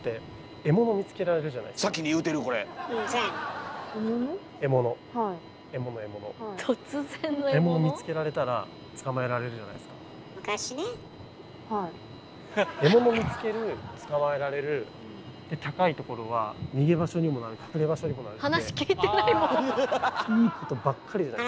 獲物見つける捕まえられるで高いところは逃げ場所にもなる隠れ場所にもなるって離れていった！